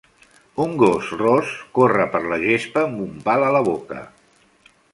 Un gos ros corre per la gespa amb un pal a la boca.